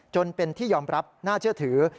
จนเป็นที่ยอมรับน่าเชื่อถือ